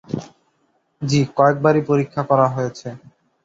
জ্বি, কয়েকবারই পরীক্ষা করা হয়েছে।